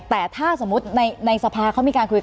แต่ถ้าสมมุติในสภาเขามีการคุย